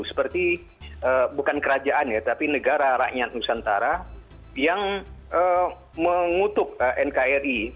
seperti bukan kerajaan ya tapi negara rakyat nusantara yang mengutuk nkri